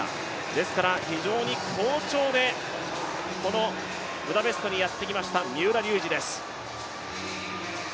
ですから非常に好調で、このブダペストにやってきました三浦龍司です。